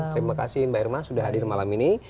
terima kasih mbak irma sudah hadir malam ini